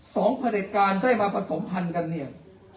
สองผลิตการได้มาผสมทันกันเนี่ย